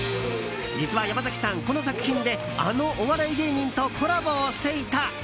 実は山崎さん、この作品であのお笑い芸人とコラボをしていた。